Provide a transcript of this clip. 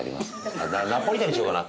あっナポリタンにしようかな。